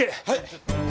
はい！